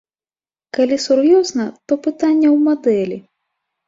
Калі сур'ёзна, то пытанне ў мадэлі.